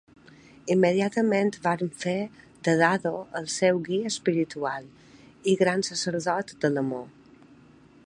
Immediatament van fer de Dado el seu "guia espiritual" i "gran sacerdot de l'amor".